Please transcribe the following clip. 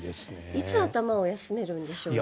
いつ頭を休めるんでしょうね。